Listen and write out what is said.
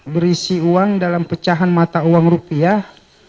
berisi uang dalam pecahan mata uang rupiah